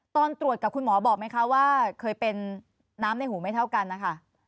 ตอนตรวจกับคุณหมอบอกไหมคะว่าเคยเป็นน้ำในหูไม่เท่ากันนะคะ